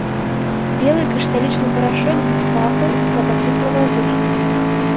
Белы крышталічны парашок без паху, слабакіслага густу.